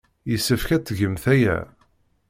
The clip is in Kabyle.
Yessefk ad tgemt aya.